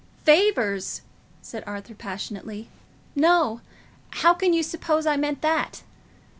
"Favours!" said Arthur, passionately; "no; how can you suppose I meant that?